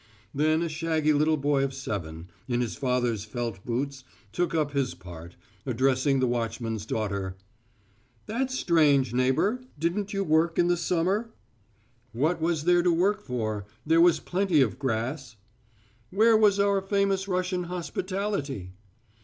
Then a shaggy little boy of seven, in his father's felt boots, took up his part, addressing the watchman's daughter: "That's strange, neighbour. Didn't you work in the summer?" "What was there to work for? There was plenty of grass." Where was our famous Russian hospitality?